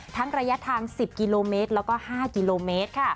ทั้งระยะทาง๑๐กิโลเมตรแล้วก็๕กิโลเมตร